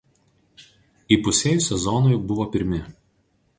Įpusėjus sezonui buvo pirmi.